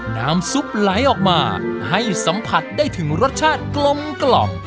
น้ำซุปไหลออกมาให้สัมผัสได้ถึงรสชาติกลมกล่อม